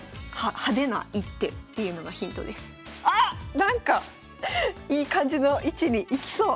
なんかいい感じの位置に行きそう。